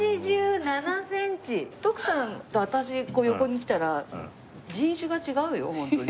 徳さんと私こう横に来たら人種が違うよホントに。